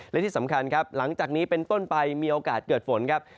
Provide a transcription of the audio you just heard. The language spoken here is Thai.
และที่สำคัญครับหลังจากนี้เป็นต้นไปมีโอกาสเกิดฝนครับ